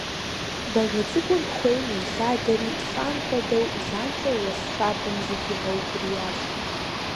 Бажэ цӀыкӀур хуейм илъадэри, лӀам хуэдэу, занщӀэу уэс щабэм зыхигъэукӀуриящ.